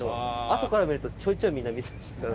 あとから見るとちょいちょいみんなミスしてた。